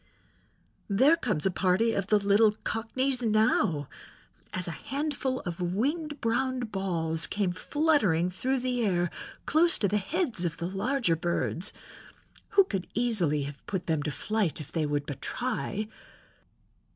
There comes a party of the little cockneys now," as a handful of winged brown balls came fluttering through the air close to the heads of the larger birds, who could easily have put them to flight if they would but try.